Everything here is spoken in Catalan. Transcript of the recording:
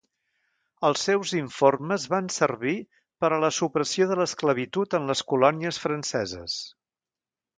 Els seus informes van servir per a la supressió de l'esclavitud en les colònies franceses.